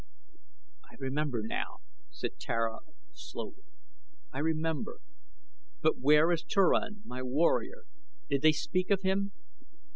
"I remember, now," said Tara, slowly. "I remember; but where is Turan, my warrior? Did they speak of him?"